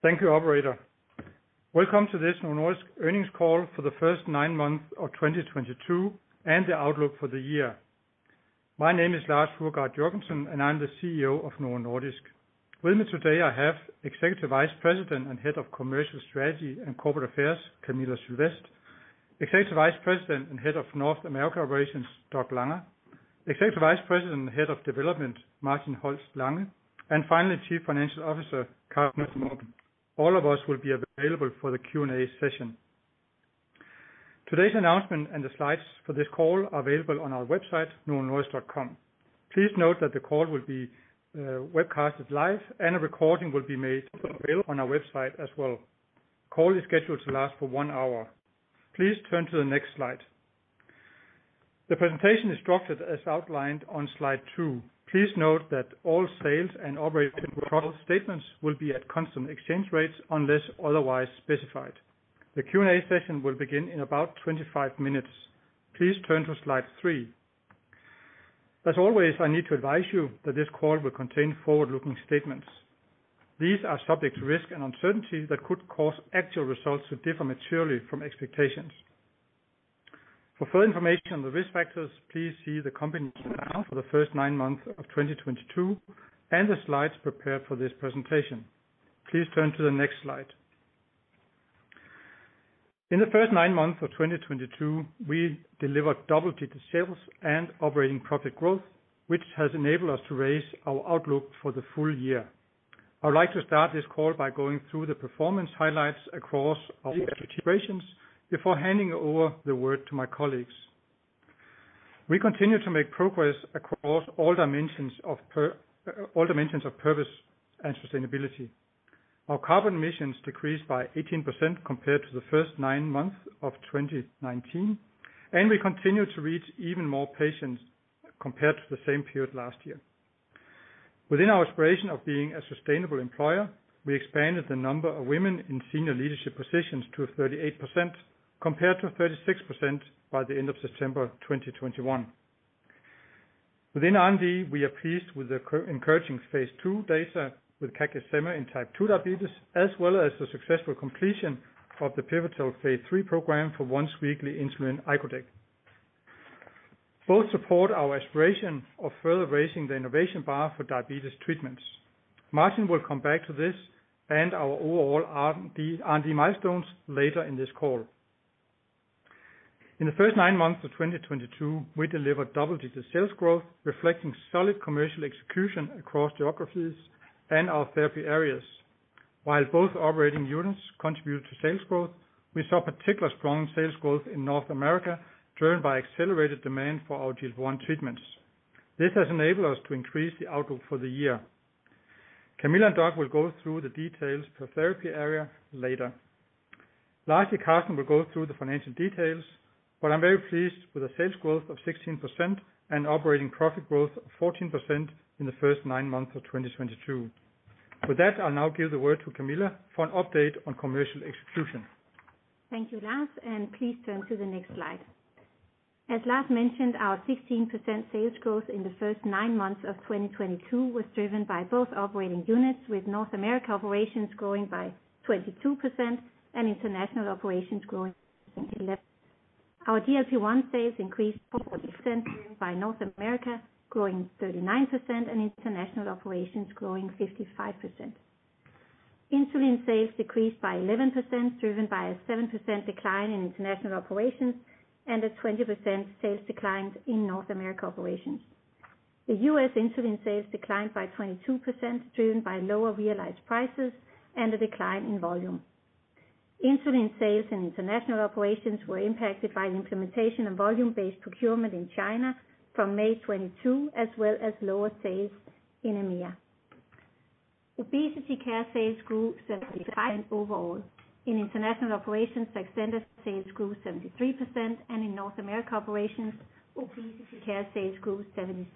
Thank you, operator. Welcome to this Novo Nordisk Earnings Call for the first Nine Months of 2022, and the outlook for the year. My name is Lars Fruergaard Jørgensen, and I'm the CEO of Novo Nordisk. With me today, I have Executive Vice President and Head of Commercial Strategy and Corporate Affairs, Camilla Sylvest. Executive Vice President and Head of North America Operations, Doug Langa. Executive Vice President and Head of Development, Martin Holst Lange. Finally, Chief Financial Officer, Karsten Munk Knudsen. All of us will be available for the Q&A session. Today's announcement and the slides for this call are available on our website, novonordisk.com. Please note that the call will be webcast live, and a recording will be made available on our website as well. Call is scheduled to last for one hour. Please turn to the next slide. The presentation is structured as outlined on slide two. Please note that all sales and operating profit statements will be at constant exchange rates, unless otherwise specified. The Q&A session will begin in about 25 minutes. Please turn to slide three. As always, I need to advise you that this call will contain forward-looking statements. These are subject to risk and uncertainty that could cause actual results to differ materially from expectations. For further information on the risk factors, please see the company's for the first nine months of 2022 and the slides prepare for this presentation. Please turn to a next slide. In the first nine months of 2022, we delivered double-digit sales and operating profit growth, which has enabled us to raise our outlook for the full year. I would like to start this call by going through the performance highlights across our operations for before handling over the work to my colleagues. We continue to make progress across all dimensions of service and sustainability. Our carbon emission decreased by 18% compared to the first nine months of 2019, and we continue to reach even more patients compared to the same period last year. Within our aspiration of being a sustainable employer, we expanded the number of women in senior leadership positions to 38% compared to 36% by the end of September 2021. Within R&D, we are pleased with the encouraging phase II data with CagriSema in type 2 diabetes, as wells as the successful completion of the pivotal phase III program for once-weekly insulin icodec. Both support our aspiration of further raising the innovation bar for diabetes treatments. Martin will com back to this and all our R&D milestone later in this call. In the first nine months of 2022, we delivered double-digit growth, reflecting solid commercial execution across geographies and our therapy areas. While both operating units contributed to sales growth, we saw particular strong sales growth in North America, driven by accelerated demand for our GLP-1 treatments. This has anabled us to increase the outlook for the year. Camilla and Doug will go through the details per therapy area later. Lastly, Karsten will go through the financial details, but I'm very pleased with our sales growth of 16% and operating of 14% in the first nine months of 2022. With that, I'll now give the word to Camilla for an update of commercial execution. Thank you, Lars, and please turn to the next slide. As Lars mentioned, our 16% sales growth in the first nine months of 2022 was driven by both operating units, with North America operations growing by 22% and international operations growing 11%. Our GLP-1 sales increased 40% by North America growing 39% and international operations growing 55%. Insulin sales decreased by 11%, driven by a 7% decline in international operations and a 20% sales decline in North America operations. The US insulin sales declined by 22%, driven by lower realized prices and a decline in volume. Insulin sales in international operations were impacted by the implementation of volume-based procurement in China from May 2022, as well as lower sales in EMEA. Obesity care sales grew 75% overall. In international operations, obesity care sales grew 73%, and in North America operations, obesity care sales grew 77%.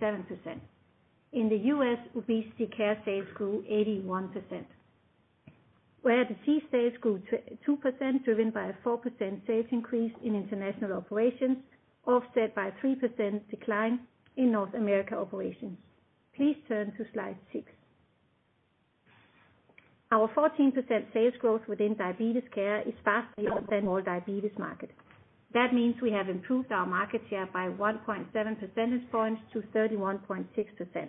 In the US, obesity care sales grew 81%. GLP-1 sales grew 2%, driven by a 4% sales increase in international operations, offset by a 3% decline in North America operations. Please turn to slide 6. Our 14% sales growth within diabetes care is faster than the overall diabetes market. That means we have improved our market share by 1.7 percentage points to 31.6%.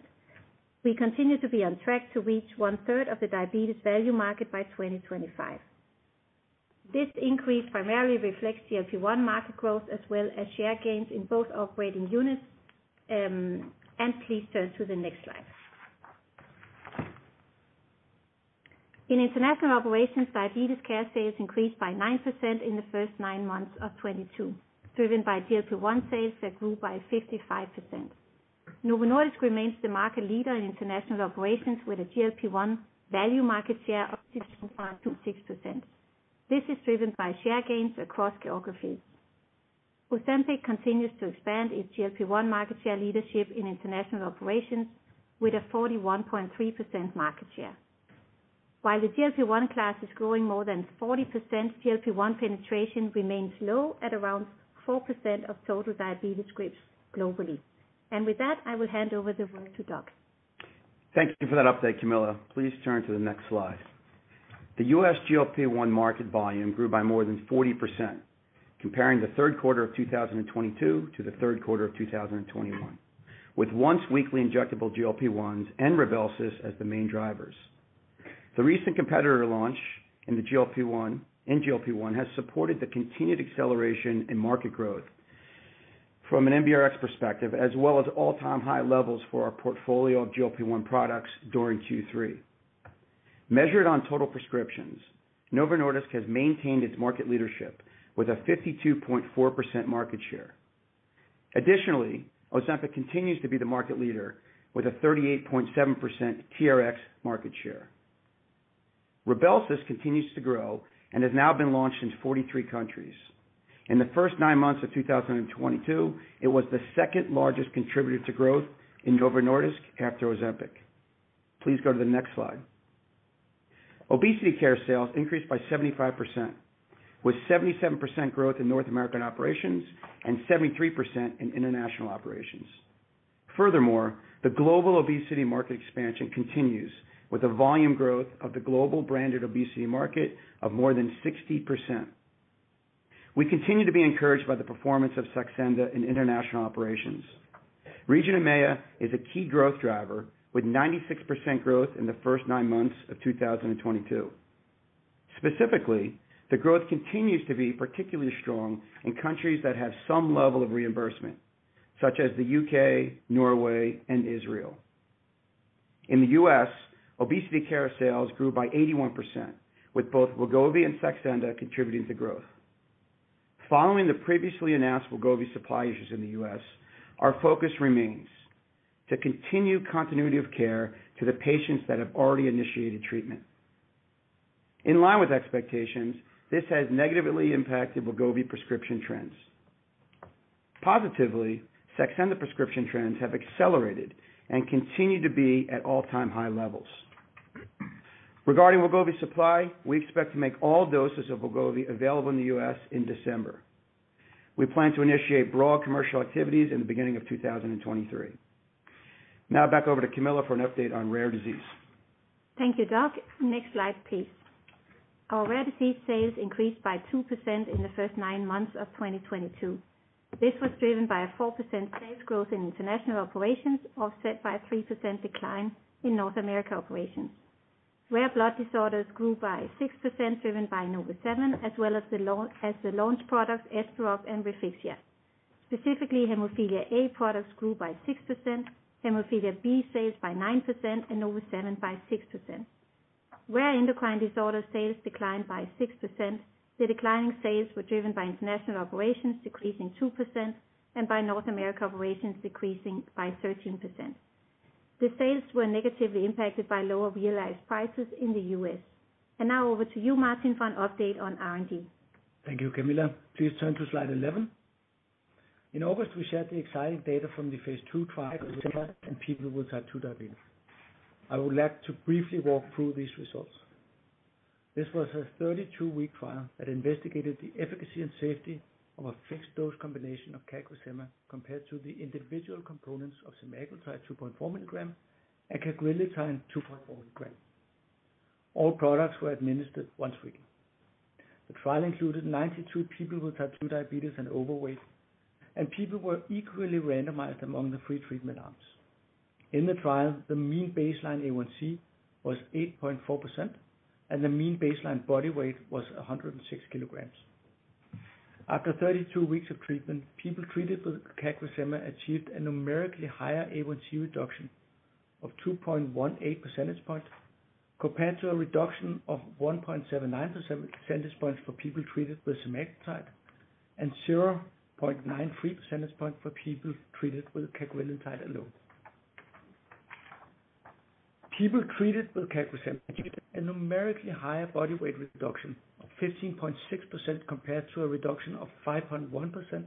We continue to be on track to reach one-third of the diabetes value market by 2025. This increase primarily reflects GLP-1 market growth as well as share gains in both operating units. Please turn to the next slide. In international operations, diabetes care sales increased by 9% in the first nine months of 2022, driven by GLP-1 sales that grew by 55%. Novo Nordisk remains the market leader in international operations with a GLP-1 value market share of 61.6%. This is driven by share gains across geographies. Ozempic continues to expand its GLP-1 market share leadership in international operations with a 41.3% market share. While the GLP-1 class is growing more than 40%, GLP-1 penetration remains low at around 4% of total diabetes scripts globally. With that, I will hand over the floor to Doc. Thank you for that update, Camilla. Please turn to the next slide. The US GLP-1 market volume grew by more than 40%, comparing the third quarter of 2022 to the third quarter of 2021, with once weekly injectable GLP-1s and Rybelsus as the main drivers. The recent competitor launch in the GLP-1 has supported the continued acceleration in market growth from an MBRX perspective, as well as all-time high levels for our portfolio of GLP-1 products during Q3. Measured on total prescriptions, Novo Nordisk has maintained its market leadership with a 52.4% market share. Additionally, Ozempic continues to be the market leader with a 38.7% TRX market share. Rybelsus continues to grow and has now been launched in 43 countries. In the first nine months of 2022, it was the second largest contributor to growth in Novo Nordisk after Ozempic. Please go to the next slide. Obesity care sales increased by 75%, with 77% growth in North American operations and 73% in international operations. Furthermore, the global obesity market expansion continues with a volume growth of the global branded obesity market of more than 60%. We continue to be encouraged by the performance of Saxenda in international operations. Region EMEA is a key growth driver with 96% growth in the first nine months of 2022. Specifically, the growth continues to be particularly strong in countries that have some level of reimbursement, such as the U.K., Norway, and Israel. In the U.S., obesity care sales grew by 81%, with both Wegovy and Saxenda contributing to growth. Following the previously announced Wegovy supply issues in the U.S., our focus remains to continue continuity of care to the patients that have already initiated treatment. In line with expectations, this has negatively impacted Wegovy prescription trends. Positively, Saxenda prescription trends have accelerated and continue to be at all-time high levels. Regarding Wegovy supply, we expect to make all doses of Wegovy available in the U.S. in December. We plan to initiate broad commercial activities in the beginning of 2023. Now back over to Camilla for an update on rare disease. Thank you, Doc. Next slide, please. Our rare disease sales increased by 2% in the first nine months of 2022. This was driven by a 4% sales growth in international operations, offset by a 3% decline in North America operations. Rare blood disorders grew by 6% driven by NovoSeven as well as the launch products Esperoct and Refixia. Specifically, hemophilia A products grew by 6%, hemophilia B sales by 9% and NovoSeven by 6%. Rare endocrine disorder sales declined by 6%. The declining sales were driven by international operations decreasing 2% and by North America operations decreasing by 13%. The sales were negatively impacted by lower realized prices in the US. Now over to you, Martin, for an update on R&D. Thank you, Camilla. Please turn to slide 11. In August, we shared the exciting data from the phase II trial in people with type 2 diabetes. I would like to briefly walk through these results. This was a 32-week trial that investigated the efficacy and safety of a fixed-dose combination of CagriSema compared to the individual components of semaglutide 2.4 milligram and cagrilintide 2.4 milligram. All products were administered once weekly. The trial included 92 people with type 2 diabetes and overweight, and people were equally randomized among the three treatment arms. In the trial, the mean baseline A1C was 8.4%, and the mean baseline body weight was 106 kg. After 32 weeks of treatment, people treated with CagriSema achieved a numerically higher A1C reduction of 2.18 percentage points, compared to a reduction of 1.79 percentage points for people treated with semaglutide and 0.93 percentage points for people treated with cagrilintide alone. People treated with CagriSema achieved a numerically higher body weight reduction of 15.6% compared to a reduction of 5.1%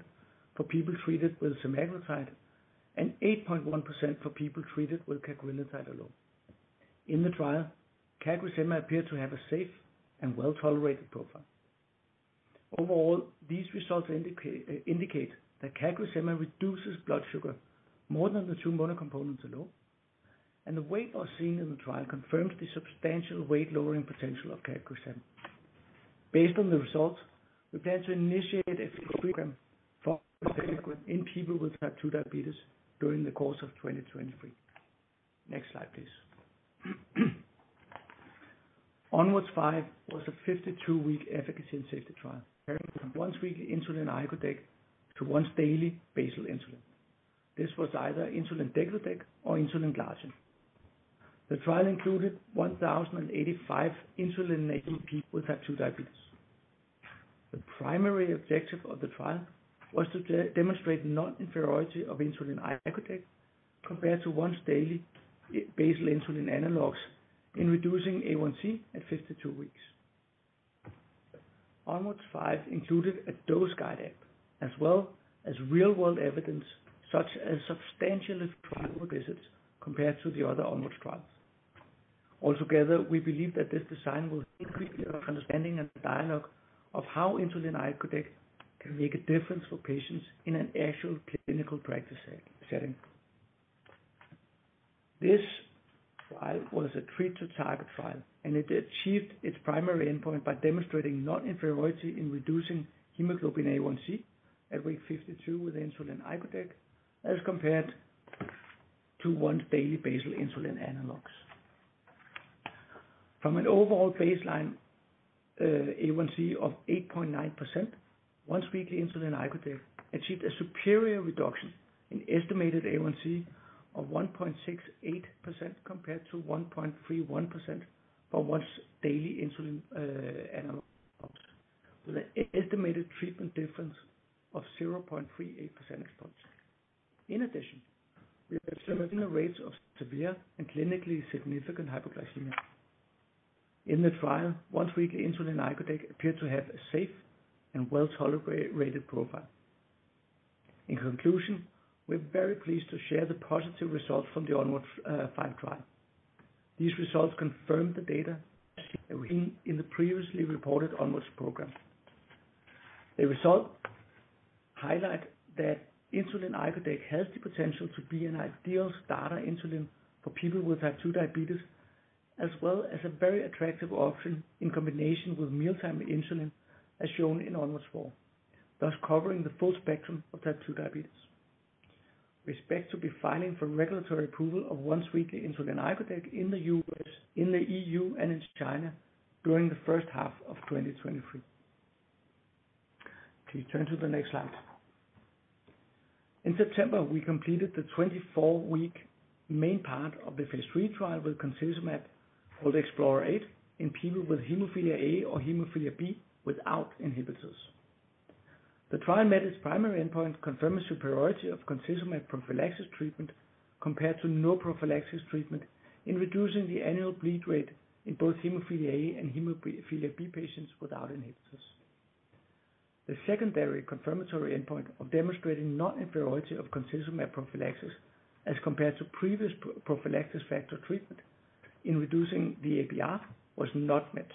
for people treated with semaglutide and 8.1% for people treated with cagrilintide alone. In the trial, CagriSema appeared to have a safe and well-tolerated profile. Overall, these results indicate that CagriSema reduces blood sugar more than the two mono components alone, and the weight loss seen in the trial confirms the substantial weight lowering potential of CagriSema. Based on the results, we plan to initiate a program for insulin-naïve people with type 2 diabetes during the course of 2023. Next slide, please. ONWARDS 5 was a 52-week efficacy and safety trial comparing once-weekly insulin icodec to once-daily basal insulin. This was either insulin degludec or insulin glargine. The trial included 1,085 insulin-naïve people with type 2 diabetes. The primary objective of the trial was to demonstrate non-inferiority of insulin icodec compared to once-daily basal insulin analogs in reducing A1C at 52 weeks. ONWARDS 5 included a dose guide app as well as real-world evidence such as substantially fewer trial visits compared to the other ONWARDS trials. Altogether, we believe that this design will increase our understanding and dialogue of how insulin icodec can make a difference for patients in an actual clinical practice setting. This trial was a treat-to-target trial, and it achieved its primary endpoint by demonstrating non-inferiority in reducing hemoglobin A1C at week 52 with insulin icodec, as compared to once-daily basal insulin analogs. From an overall baseline A1C of 8.9%, once-weekly insulin icodec achieved a superior reduction in estimated A1C of 1.68% compared to 1.31% for once-daily insulin analogs. With an estimated treatment difference of 0.38 percentage points. In addition, we are observing rates of severe and clinically significant hypoglycemia. In the trial, once-weekly insulin icodec appeared to have a safe and well-tolerated profile. In conclusion, we're very pleased to share the positive results from the ONWARDS 5 trial. These results confirm the data seen in the previously reported ONWARDS program. The results highlight that insulin icodec has the potential to be an ideal starter insulin for people with type 2 diabetes, as well as a very attractive option in combination with mealtime insulin, as shown in ONWARDS 4, thus covering the full spectrum of type 2 diabetes. We expect to be filing for regulatory approval of once-weekly insulin icodec in the U.S., in the EU, and in China during the first half of 2023. Please turn to the next slide. In September, we completed the 24-week main part of the phase III trial with concizumab, called explorer8, in people with hemophilia A or hemophilia B without inhibitors. The trial met its primary endpoint, confirming superiority of concizumab prophylaxis treatment compared to no prophylaxis treatment in reducing the annual bleed rate in both hemophilia A and hemophilia B patients without inhibitors. The secondary confirmatory endpoint of demonstrating non-inferiority of concizumab prophylaxis as compared to previous prophylaxis factor treatment in reducing the APR was not met.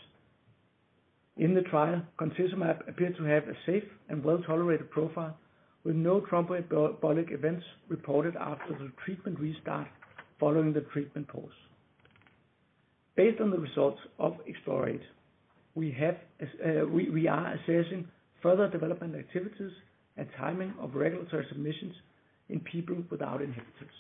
In the trial, concizumab appeared to have a safe and well-tolerated profile, with no thrombotic events reported after the treatment restart following the treatment pause. Based on the results of explorer8, we are assessing further development activities and timing of regulatory submissions in people without inhibitors.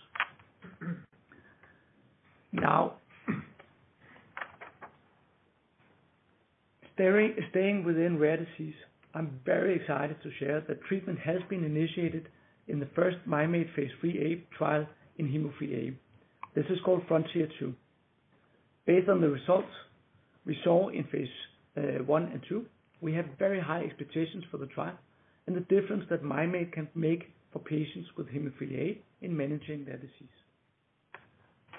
Staying within rare disease, I'm very excited to share that treatment has been initiated in the first Mim8 phase 3a trial in hemophilia A. This is called FRONTIER 2. Based on the results we saw in phase I and II, we have very high expectations for the trial and the difference that Mim8 can make for patients with hemophilia A in managing their disease.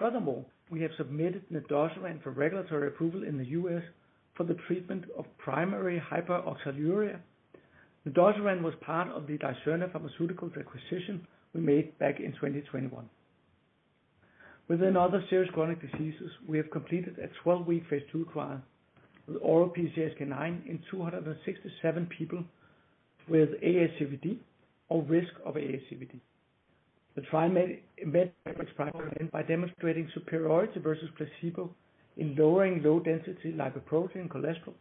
Furthermore, we have submitted nedosiran for regulatory approval in the US for the treatment of primary hyperoxaluria. Nedosiran was part of the Dicerna Pharmaceuticals acquisition we made back in 2021. Within other serious chronic diseases, we have completed a 12-week phase II trial with oral PCSK9 in 267 people with ASCVD or risk of ASCVD. The trial met its primary endpoint by demonstrating superiority versus placebo in lowering low-density lipoprotein cholesterol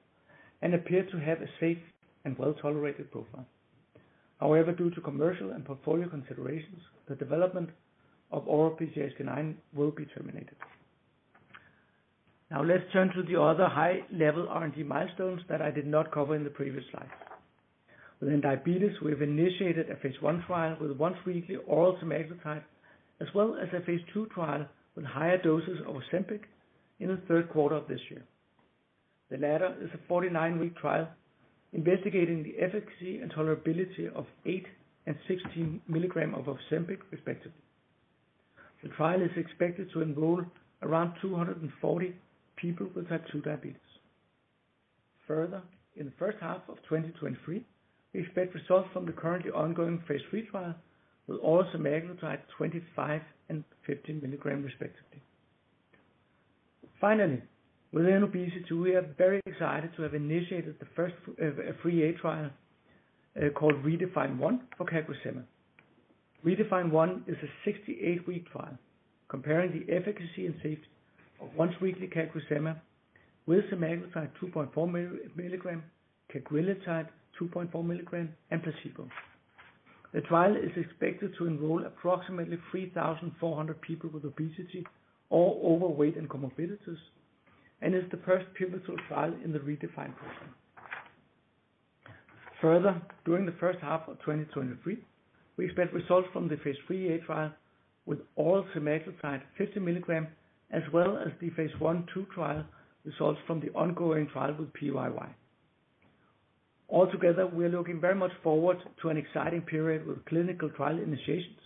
and appeared to have a safe and well-tolerated profile. However, due to commercial and portfolio considerations, the development of oral PCSK9 will be terminated. Now let's turn to the other high-level R&D milestones that I did not cover in the previous slide. Within diabetes, we have initiated a phase 1 trial with once-weekly oral semaglutide, as well as a phase II trial with higher doses of Ozempic in the third quarter of this year. The latter is a 49-week trial investigating the efficacy and tolerability of 8 and 16 milligrams of Ozempic respectively. The trial is expected to enroll around 240 people with type 2 diabetes. Further, in the first half of 2023, we expect results from the currently ongoing phase III trial with oral semaglutide 25 and 15 milligrams respectively. Finally, within obesity, we are very excited to have initiated the first phase 3a trial called REDEFINE 1 for CagriSema. REDEFINE 1 is a 68-week trial comparing the efficacy and safety of once-weekly CagriSema with Semaglutide 2.4 milligrams, cagrilintide 2.4 milligrams, and placebo. The trial is expected to enroll approximately 3,400 people with obesity or overweight and comorbidities, and is the first pivotal trial in the REDEFINE program. Further, during the first half of 2023, we expect results from the phase III-A trial with oral semaglutide 50 mg, as well as the phase I-II trial results from the ongoing trial with PYY. Altogether, we are looking very much forward to an exciting period with clinical trial initiations,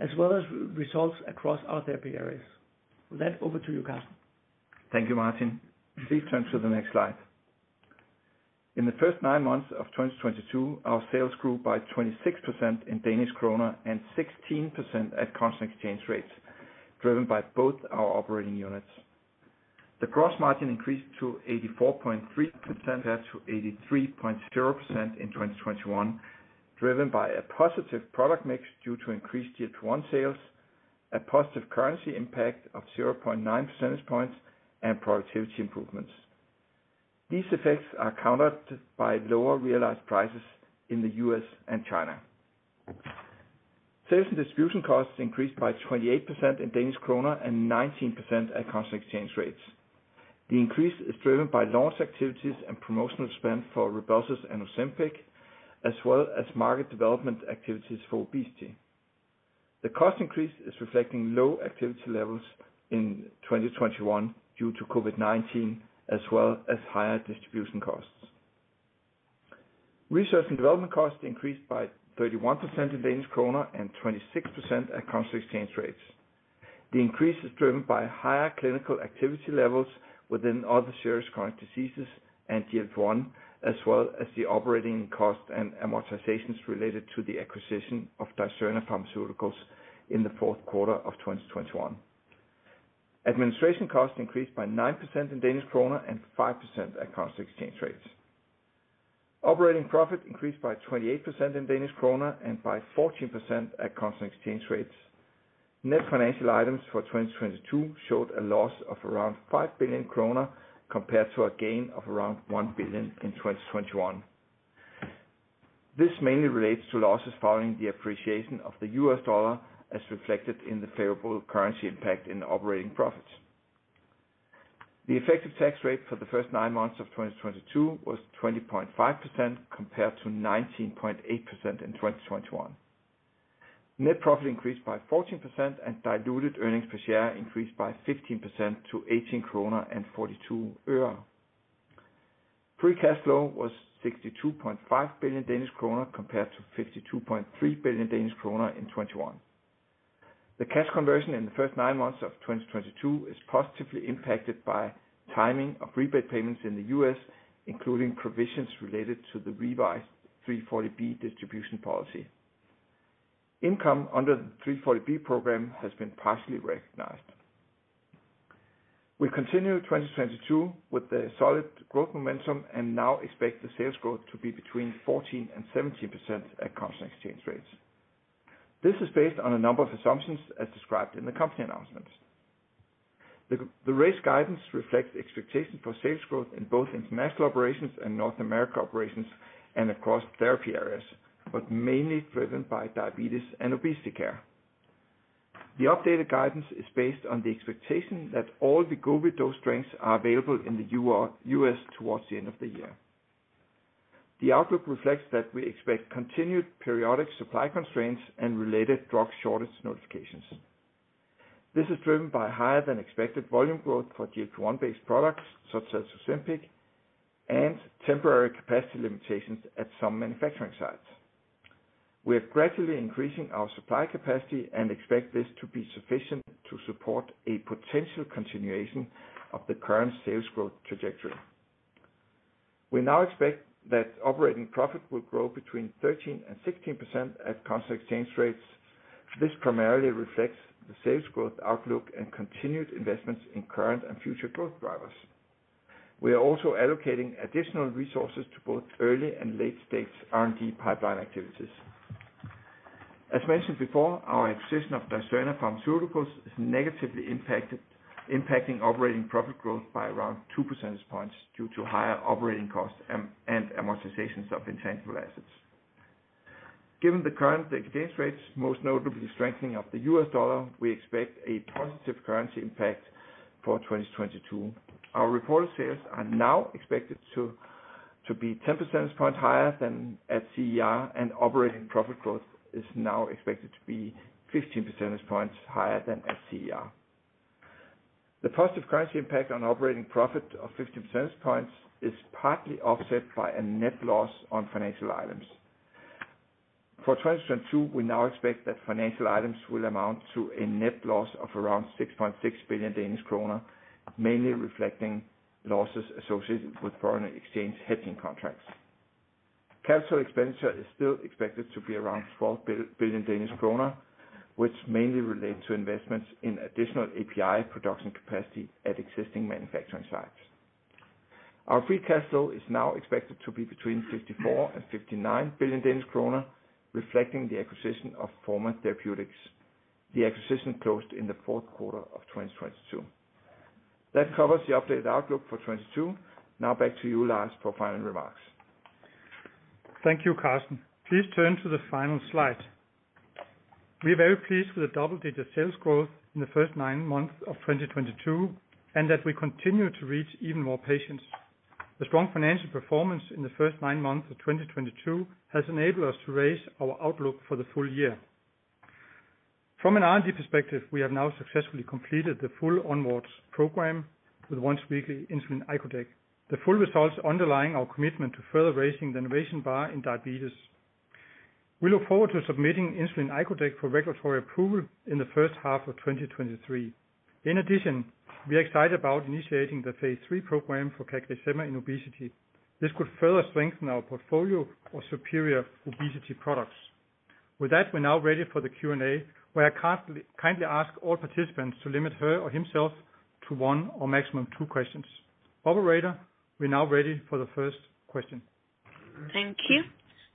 as well as results across our therapy areas. With that, over to you, Karsten. Thank you, Martin. Please turn to the next slide. In the first nine months of 2022, our sales grew by 26% in DKK and 16% at constant exchange rates, driven by both our operating units. The gross margin increased to 84.3% compared to 83.0% in 2021, driven by a positive product mix due to increased GLP-1 sales, a positive currency impact of 0.9 percentage points and productivity improvements. These effects are countered by lower realized prices in the U.S. and China. Sales and distribution costs increased by 28% in DKK and 19% at constant exchange rates. The increase is driven by launch activities and promotional spend for Rybelsus and Ozempic, as well as market development activities for obesity. The cost increase is reflecting low activity levels in 2021 due to COVID-19, as well as higher distribution costs. Research and development costs increased by 31% in Danish kroner and 26% at constant exchange rates. The increase is driven by higher clinical activity levels within other serious chronic diseases and GLP-1, as well as the operating costs and amortizations related to the acquisition of Dicerna Pharmaceuticals in the fourth quarter of 2021. Administration costs increased by 9% in Danish kroner and 5% at constant exchange rates. Operating profit increased by 28% in Danish kroner and by 14% at constant exchange rates. Net financial items for 2022 showed a loss of around 5 billion kroner compared to a gain of around 1 billion in 2021. This mainly relates to losses following the appreciation of the U.S. dollar as reflected in the favorable currency impact in operating profits. The effective tax rate for the first nine months of 2022 was 20.5% compared to 19.8% in 2021. Net profit increased by 14% and diluted earnings per share increased by 15% to 18.42 krone. Free cash flow was 62.5 billion Danish kroner compared to 52.3 billion Danish kroner in 2021. The cash conversion in the first nine months of 2022 is positively impacted by timing of rebate payments in the U.S., including provisions related to the revised 340B distribution policy. Income under the 340B program has been partially recognized. We continue 2022 with the solid growth momentum and now expect the sales growth to be between 14% and 17% at constant exchange rates. This is based on a number of assumptions as described in the company announcements. The raised guidance reflects expectations for sales growth in both international operations and North America operations and across therapy areas, but mainly driven by diabetes and obesity care. The updated guidance is based on the expectation that all the Wegovy dose strengths are available in the US towards the end of the year. The outlook reflects that we expect continued periodic supply constraints and related drug shortage notifications. This is driven by higher than expected volume growth for GLP-1 based products such as Ozempic and temporary capacity limitations at some manufacturing sites. We are gradually increasing our supply capacity and expect this to be sufficient to support a potential continuation of the current sales growth trajectory. We now expect that operating profit will grow between 13% and 16% at constant exchange rates. This primarily reflects the sales growth outlook and continued investments in current and future growth drivers. We are also allocating additional resources to both early and late stage R&D pipeline activities. As mentioned before, our acquisition of Dicerna Pharmaceuticals is negatively impacting operating profit growth by around two percentage points due to higher operating costs and amortizations of intangible assets. Given the current exchange rates, most notably strengthening of the US dollar, we expect a positive currency impact for 2022. Our reported sales are now expected to be 10 percentage points higher than at CER, and operating profit growth is now expected to be 15 percentage points higher than at CER. The positive currency impact on operating profit of 15 percentage points is partly offset by a net loss on financial items. For 2022, we now expect that financial items will amount to a net loss of around 6.6 billion Danish kroner, mainly reflecting losses associated with foreign exchange hedging contracts. Capital expenditure is still expected to be around 12 billion Danish kroner, which mainly relate to investments in additional API production capacity at existing manufacturing sites. Our free cash flow is now expected to be between 54 billion and 59 billion Danish kroner, reflecting the acquisition of Forma Therapeutics. The acquisition closed in the fourth quarter of 2022. That covers the updated outlook for 2022. Now back to you, Lars, for final remarks. Thank you, Karsten. Please turn to the final slide. We are very pleased with the double-digit sales growth in the first 9 months of 2022, and that we continue to reach even more patients. The strong financial performance in the first nine months of 2022 has enabled us to raise our outlook for the full year. From an R&D perspective, we have now successfully completed the full ONWARDS program with once-weekly insulin icodec. The full results underlying our commitment to further raising the innovation bar in diabetes. We look forward to submitting insulin icodec for regulatory approval in the first half of 2023. In addition, we are excited about initiating the phase 3 program for CagriSema in obesity. This could further strengthen our portfolio of superior obesity products. With that, we're now ready for the Q&A, where I kindly ask all participants to limit her or himself to one or maximum two questions. Operator, we're now ready for the first question. Thank you.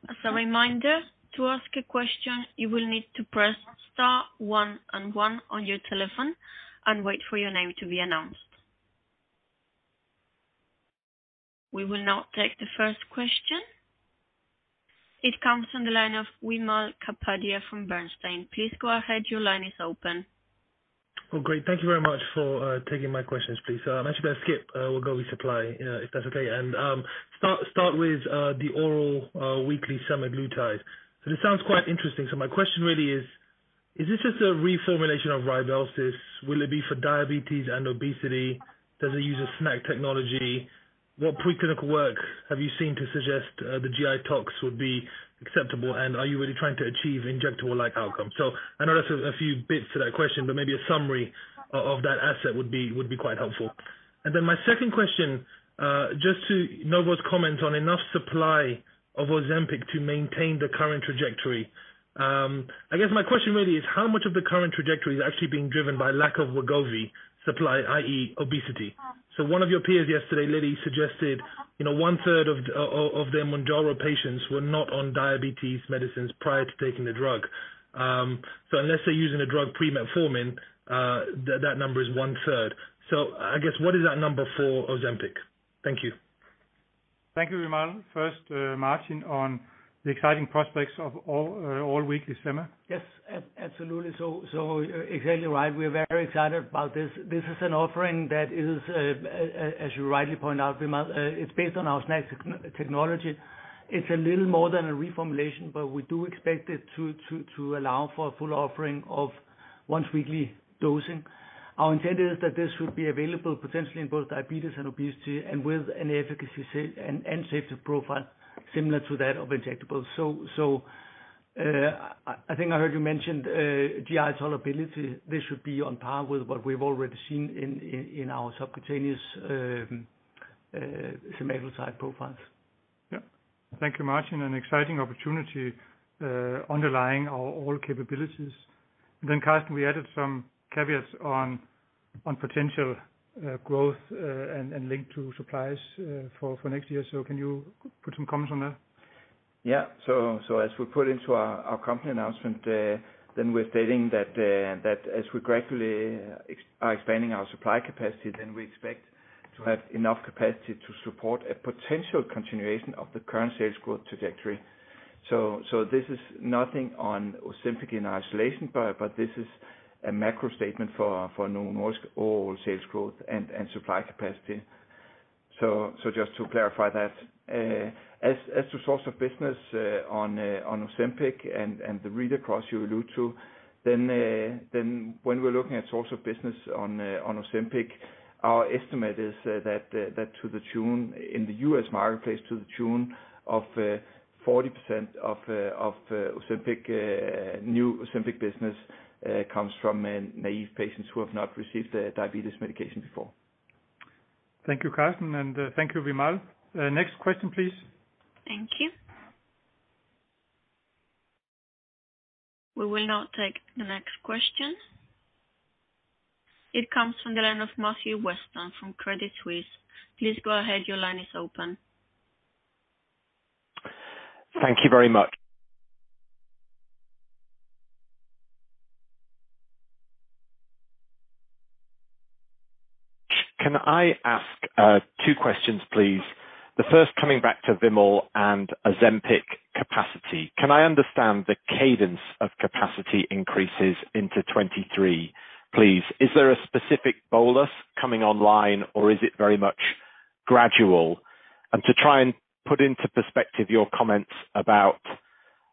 As a reminder, to ask a question, you will need to press star one and one on your telephone and wait for your name to be announced. We will now take the first question. It comes from the line of Wimal Kapadia from Bernstein. Please go ahead. Your line is open. Oh, great. Thank you very much for taking my questions, please. I mentioned skip Wegovy supply, if that's okay. Start with the oral weekly semaglutide. This sounds quite interesting. My question really is this just a reformulation of Rybelsus? Will it be for diabetes and obesity? Does it use a SNAC technology? What preclinical work have you seen to suggest the GI tolerability would be acceptable, and are you really trying to achieve injectable-like outcome? I know that's a few bits to that question, but maybe a summary of that asset would be quite helpful. Then my second question, just to Novo's comment on enough supply of Ozempic to maintain the current trajectory. I guess my question really is how much of the current trajectory is actually being driven by lack of Wegovy supply, i.e. obesity? One of your peers yesterday, Eli Lilly, suggested, you know, one-third of their Mounjaro patients were not on diabetes medicines prior to taking the drug. Unless they're using a drug metformin, that number is one-third. I guess, what is that number for Ozempic? Thank you. Thank you, Wimal. First, Martin, on the exciting prospects of all weekly sema. Yes, absolutely. You're exactly right. We are very excited about this. This is an offering that is, as you rightly point out, Wimal, it's based on our SNAC technology. It's a little more than a reformulation, but we do expect it to allow for a full offering of once weekly dosing. Our intent is that this should be available potentially in both diabetes and obesity and with an efficacy and safety profile similar to that of injectables. I think I heard you mention GI tolerability. This should be on par with what we've already seen in our subcutaneous semaglutide profiles. Yeah. Thank you, Martin. An exciting opportunity underlying our overall capabilities. Then, Karsten, we added some caveats on potential growth and link to supplies for next year. Can you put some comments on that? Yeah. As we put into our company announcement, then we're stating that as we gradually are expanding our supply capacity, then we expect to have enough capacity to support a potential continuation of the current sales growth trajectory. This is nothing on Ozempic in isolation, but this is a macro statement for Novo Nordisk overall sales growth and supply capacity. Just to clarify that. As to source of business on Ozempic and the read across you allude to, when we're looking at source of business on Ozempic, our estimate is that, in the U.S. marketplace, to the tune of 40% of new Ozempic business comes from naive patients who have not received a diabetes medication before. Thank you, Karsten, and thank you, Wimal. Next question, please. Thank you. We will now take the next question. It comes from the line of Matthew Weston from Credit Suisse. Please go ahead. Your line is open. Thank you very much. Can I ask two questions, please? The first coming back to Wimal and Ozempic capacity. Can I understand the cadence of capacity increases into 2023, please? Is there a specific bolus coming online or is it very much gradual? And to try and put into perspective your comments about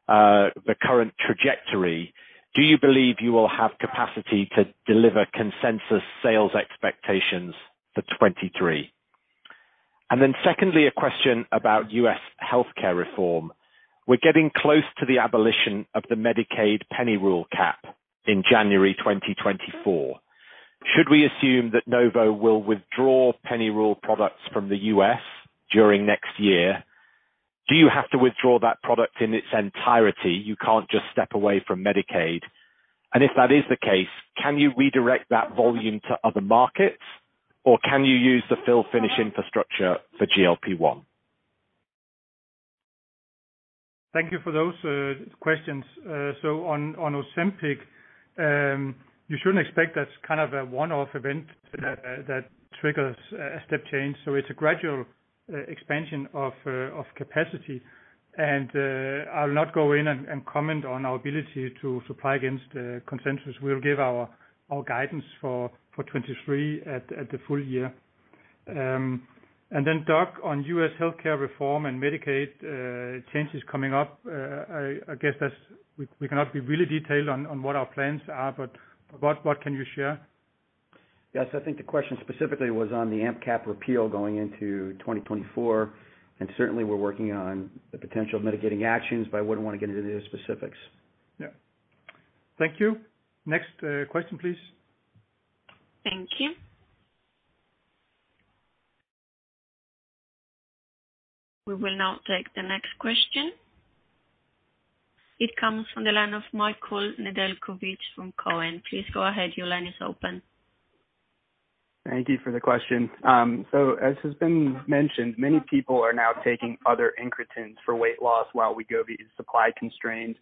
the current trajectory, do you believe you will have capacity to deliver consensus sales expectations for 2023? Secondly, a question about U.S. healthcare reform. We're getting close to the abolition of the Medicaid penny rule cap in January 2024. Should we assume that Novo will withdraw penny rule products from the U.S. during next year? Do you have to withdraw that product in its entirety? You can't just step away from Medicaid. If that is the case, can you redirect that volume to other markets, or can you use the fill finish infrastructure for GLP-1? Thank you for those questions. On Ozempic, you shouldn't expect that's kind of a one-off event that triggers a step change. It's a gradual expansion of capacity. I'll not go in and comment on our ability to supply against the consensus. We'll give our guidance for 2023 at the full year. Then, Doug, on U.S. healthcare reform and Medicaid changes coming up, I guess we cannot be really detailed on what our plans are, but what can you share? Yes, I think the question specifically was on the AMP cap repeal going into 2024, and certainly we're working on the potential mitigating actions, but I wouldn't want to get into the specifics. Yeah. Thank you. Next, question, please. Thank you. We will now take the next question. It comes from the line of Michael Nedelcovych from Cowen. Please go ahead. Your line is open. Thank you for the question. As has been mentioned, many people are now taking other incretins for weight loss while Wegovy is supply constrained.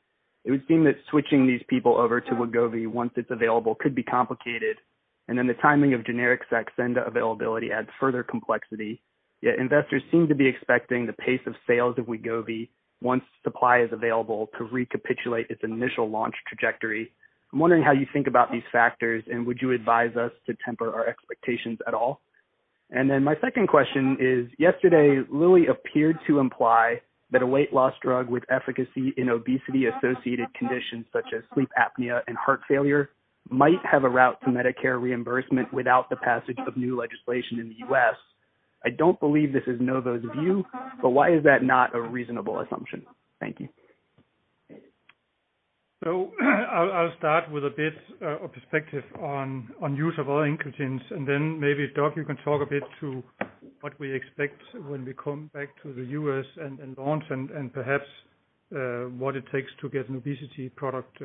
It would seem that switching these people over to Wegovy once it's available could be complicated, and then the timing of generic Saxenda availability adds further complexity. Yet investors seem to be expecting the pace of sales of Wegovy once supply is available, to recapitulate its initial launch trajectory. I'm wondering how you think about these factors, and would you advise us to temper our expectations at all? My second question is: yesterday, Eli Lilly appeared to imply that a weight loss drug with efficacy in obesity-associated conditions, such as sleep apnea and heart failure, might have a route to Medicare reimbursement without the passage of new legislation in the U.S. I don't believe this is Novo's view, but why is that not a reasonable assumption? Thank you. I'll start with a bit of perspective on use of other incretins, and then maybe, Doc, you can talk a bit to what we expect when we come back to the U.S. and launch and perhaps what it takes to get an obesity product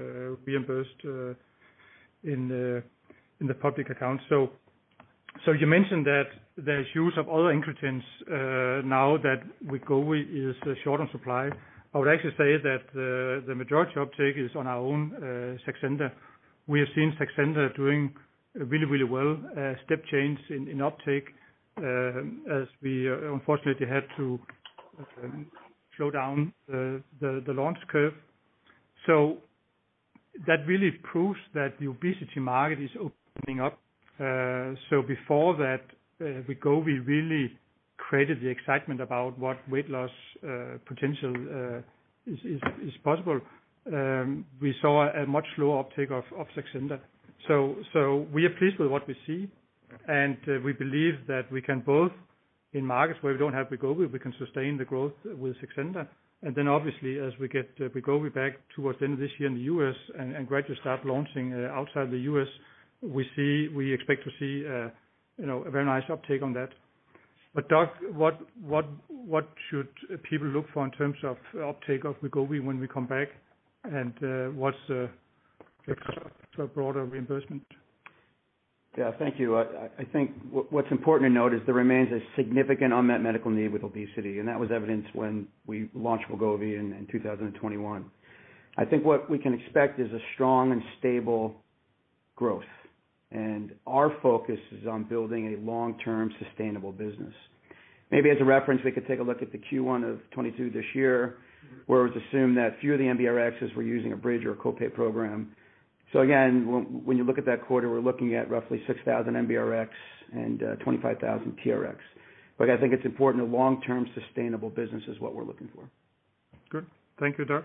reimbursed in the public account. You mentioned that there's use of other incretins now that Wegovy is short on supply. I would actually say that the majority uptake is on our own Saxenda. We have seen Saxenda doing really well, step change in uptake, as we unfortunately had to slow down the launch curve. That really proves that the obesity market is opening up. Before that, Wegovy really created the excitement about what weight loss potential is possible. We saw a much lower uptake of Saxenda. We are pleased with what we see, and we believe that we can both in markets where we don't have Wegovy, we can sustain the growth with Saxenda. Obviously, as we get Wegovy back towards the end of this year in the U.S. and gradually start launching outside the U.S., we see we expect to see, you know, a very nice uptake on that. Doc, what should people look for in terms of uptake of Wegovy when we come back? What's the broader reimbursement? Yeah. Thank you. I think what's important to note is there remains a significant unmet medical need with obesity, and that was evident when we launched Wegovy in 2021. I think what we can expect is a strong and stable growth, and our focus is on building a long-term sustainable business. Maybe as a reference, we could take a look at the Q1 of 2022 this year, where it was assumed that fewer of the MBRXs were using a bridge or a co-pay program. Again, when you look at that quarter, we're looking at roughly 6,000 MBRX and 25,000 TRX. I think it's important to long-term sustainable business is what we're looking for. Good. Thank you, Doc.